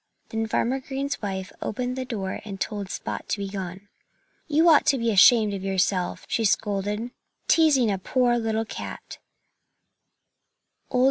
Then Farmer Green's wife opened the door and told Spot to be gone. "You ought to be ashamed of yourself " she scolded "teasing a poor little cat!"